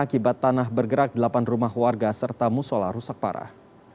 akibat tanah bergerak delapan rumah warga serta musola rusak parah